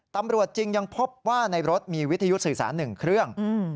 ตำรวจจริงยังพบว่าในรถมีวิทยุสื่อสาร๑เครื่อง